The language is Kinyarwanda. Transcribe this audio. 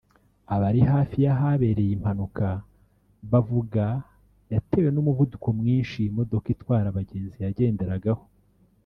Abari hafi y'ahabereye iyi mpanuka bavuga yatewe n’umuvuduko mwinshi iyi modoka itwara abagenzi yagenderagaho